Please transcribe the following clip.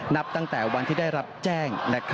นับตั้งแต่วันที่ได้รับแจ้ง